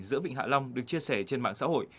giữa vịnh hạ long được chia sẻ trên mạng xã hội